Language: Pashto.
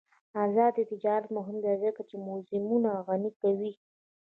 آزاد تجارت مهم دی ځکه چې موزیمونه غني کوي.